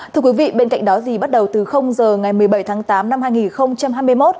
thưa quý vị bên cạnh đó thì bắt đầu từ giờ ngày một mươi bảy tháng tám năm hai nghìn hai mươi một